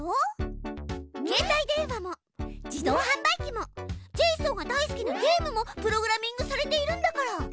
けい帯電話も自動はん売機もジェイソンが大好きなゲームもプログラミングされているんだから。